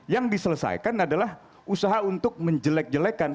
yang diselesaikan adalah usaha untuk menjelek jelekkan